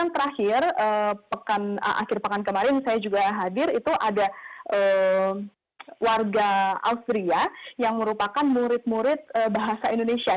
terakhir akhir pekan kemarin saya juga hadir itu ada warga austria yang merupakan murid murid bahasa indonesia